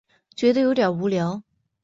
觉得有点无聊